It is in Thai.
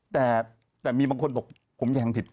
แต่มีบางคนบอกผมแทงผิด